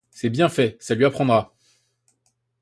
C'est bien fait, ça lui apprendra!